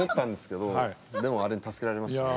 でもあれに助けられましたね。